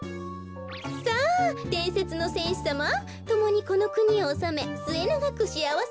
さあでんせつのせんしさまともにこのくにをおさめすえながくしあわせになりましょうねん。